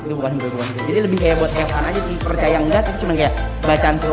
itu bukan itu bukan itu jadi lebih kayak buat hewan aja sih percaya nggak itu cuma kayak bacaan seru